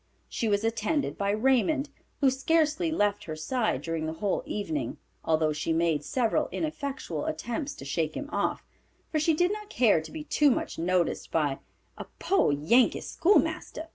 She was attended by Raymond, who scarcely left her side during the whole evening, although she made several ineffectual attempts to shake him off, for she did not care to be too much noticed by a "poor Yankee schoolmaster."